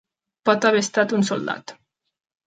Pot haver estat un soldat.